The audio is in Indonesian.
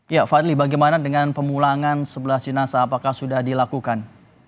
ya fadli bagaimana dengan pemulangan sebelah jenazah apakah sudah dilakukan